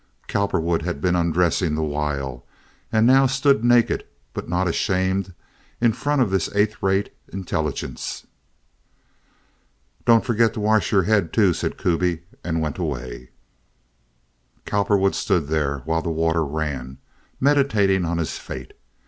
Cowperwood had been undressing the while, and now stood naked, but not ashamed, in front of this eighth rate intelligence. "Don't forget to wash your head, too," said Kuby, and went away. Cowperwood stood there while the water ran, meditating on his fate.